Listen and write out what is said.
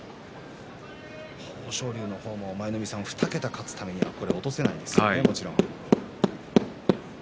豊昇龍の方も２桁勝つためには落とせませんね、もちろん。